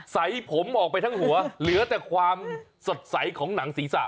ใส่ผมออกไปทั้งหัวเหลือแต่ความสดใสของหนังศีรษะ